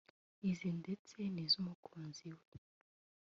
ize ndetse n’iz’umukunzi we